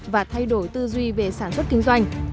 và thay đổi tư duy về sản xuất kinh doanh